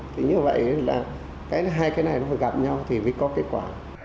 thì như vậy là cái hai cái này nó phải gặp nhau thì mới có kết quả